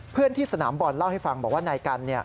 เพื่อนที่สนามบอลเล่าให้ฟังบอกว่านายกัน